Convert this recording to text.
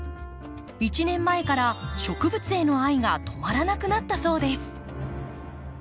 １年前から植物への愛が止まらなくなったそうです。